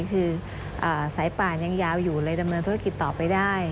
คือสายป่านยังยาวอยู่เลยดำเนินธุรกิจต่อไปได้